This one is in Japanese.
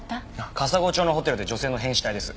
かさご町のホテルで女性の変死体です。